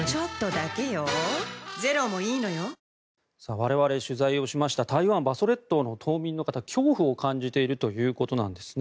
我々取材をしました台湾・馬祖列島の島民の方恐怖を感じているということなんですね。